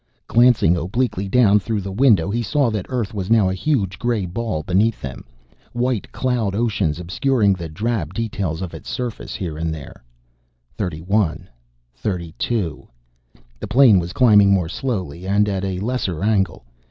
Glancing obliquely down through the window he saw that Earth was now a huge gray ball beneath them, white cloud oceans obscuring the drab details of its surface here and there. " 31 32 " The plane was climbing more slowly, and at a lesser angle.